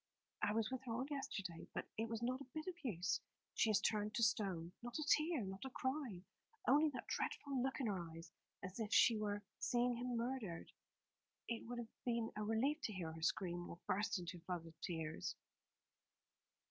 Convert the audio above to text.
"I was with her all yesterday; but it was not a bit of use. She has turned to stone. Not a tear, not a cry; only that dreadful look in her eyes, as if she were seeing him murdered. It would have been a relief to hear her scream, or burst into a flood of tears."